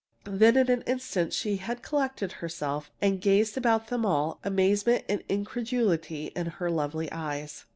Then in an instant she had collected herself and gazed about at them all, amazement and incredulity in her lovely eyes.